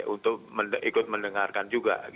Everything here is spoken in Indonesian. untuk ikut mendengarkan juga